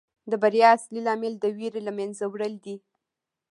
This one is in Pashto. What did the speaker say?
د بریا اصلي لامل د ویرې له منځه وړل دي.